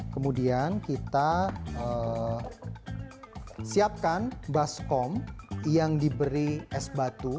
kemudian kita siapkan baskom yang diberi es batu